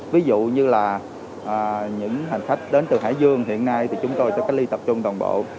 ví dụ như là những hành khách đến từ hải dương hiện nay thì chúng tôi sẽ cách ly tập trung toàn bộ